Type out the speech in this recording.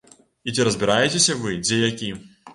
І ці разбераце вы, дзе які?